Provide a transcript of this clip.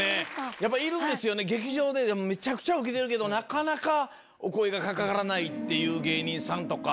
やっぱ、いるんですよね、劇場でめちゃくちゃウケてるけど、なかなかお声がかからないっていう芸人さんとか。